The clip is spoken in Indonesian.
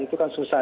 itu kan susah